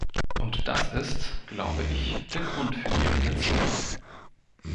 Und das ist, glaube ich, der Grund für die Irritationen.